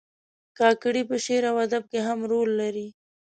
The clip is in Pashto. کاکړي په شعر او ادب کې هم رول لري.